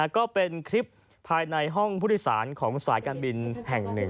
ก็เป็นคลิปภายในห้องผู้โดยสารของสายการบินแห่งหนึ่ง